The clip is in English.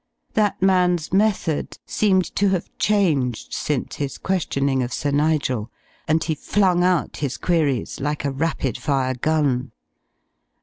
That man's method seemed to have changed since his questioning of Sir Nigel and he flung out his queries like a rapid fire gun.